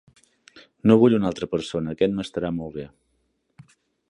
No vull una altra persona, aquest m'estarà molt bé.